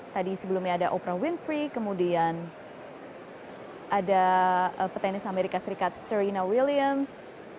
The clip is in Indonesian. tadi sebelumnya ada oprah winfrey kemudian ada petenis amerika serikat serena williams